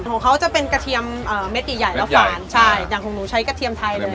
ของเขาจะเป็นกระเทียมเม็ดใหญ่ใหญ่แล้วฝานใช่อย่างของหนูใช้กระเทียมไทยเลย